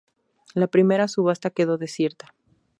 La primera subasta quedó desierta.